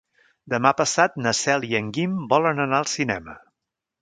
Demà passat na Cel i en Guim volen anar al cinema.